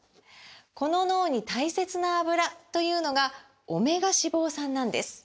この脳に大切なアブラというのがオメガ脂肪酸なんです！